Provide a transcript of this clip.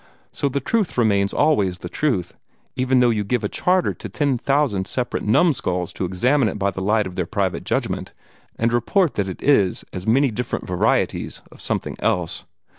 So the truth remains always the truth, even though you give a charter to ten hundred thousand separate numskulls to examine it by the light of their private judgment, and report that it is as many different varieties of something else.